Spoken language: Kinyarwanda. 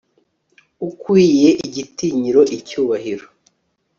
ukwiye igitinyiro, icyubahiro